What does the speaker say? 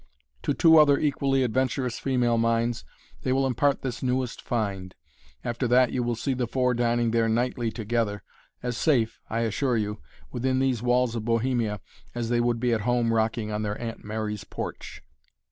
To two other equally adventurous female minds they will impart this newest find; after that you will see the four dining there nightly together, as safe, I assure you, within these walls of Bohemia as they would be at home rocking on their Aunt Mary's porch.